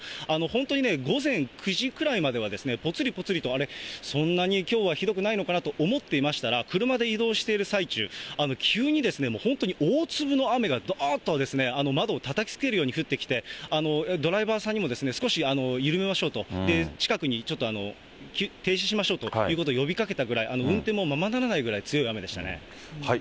本当にね、午前９時くらいまではぽつりぽつりと、あれ、そんなにきょうはひどくないのかなと思っていましたら、車で移動している最中、急にですね、本当に大粒の雨がどーっと、窓をたたきつけるように降ってきて、ドライバーさんにも、少し緩めましょうと、近くにちょっと停止しましょうということを呼びかけたくらい、運転もままならないぐらい強い雨でしたね。